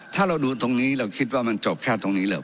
ถ้าเราดูตรงนี้เราคิดว่ามันจบแค่ตรงนี้เหรอ